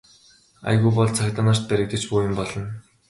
Аягүй бол цагдаа нарт баригдаж бөөн юм болно.